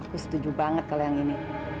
gue setuju banget kalau yang ini